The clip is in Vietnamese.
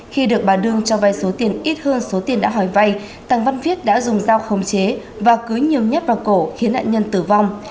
khi được bà đương cho vay số tiền ít hơn số tiền đã hỏi vay tạng văn viết đã dùng dao khống chế và cưới nhiều nhát vào cổ khiến nạn nhân tử vong